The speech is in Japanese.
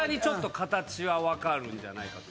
形は分かるんじゃないかと。